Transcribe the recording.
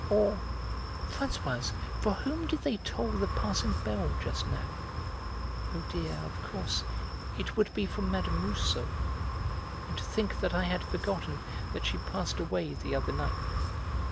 Or: "Françoise, for whom did they toll the passing bell just now? Oh dear, of course, it would be for Mme. Rousseau. And to think that I had forgotten that she passed away the other night.